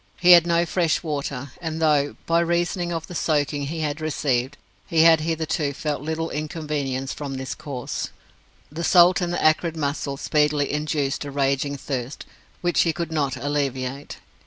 He had no fresh water, and though, by reason of the soaking he had received, he had hitherto felt little inconvenience from this cause, the salt and acrid mussels speedily induced a raging thirst, which he could not alleviate.